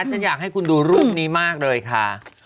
ฉันอยากให้คุณดูรูปนี้มากเลยค่ะ